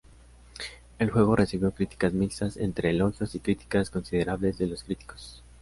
El juego recibió críticas mixtas entre elogios y críticas considerables de los críticos.